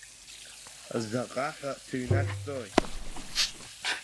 Заҟа ҳәа сыҩнашәҵои?